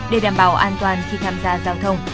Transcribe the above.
để đảm bảo an toàn khi tham gia giao thông